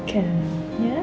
saya tahu kak